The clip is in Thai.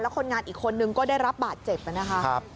คนงานอีกคนนึงก็ได้รับบาดเจ็บนะคะ